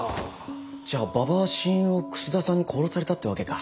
じゃあ馬場は親友を楠田さんに殺されたってわけか。